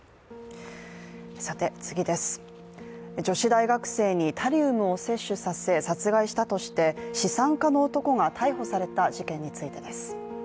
女子大学生にタリウムを摂取させ殺害したとして資産家の男が逮捕された事件についてです。